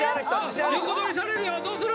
横取りされるよどうする？